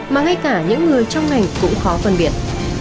mà ngay cả những người trong ngành cũng khó phân biệt